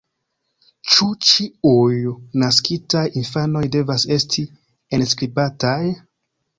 Ĉu ĉiuj naskitaj infanoj devas esti enskribataj?